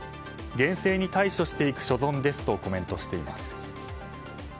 厳正に対処していく所存ですとコメントしています。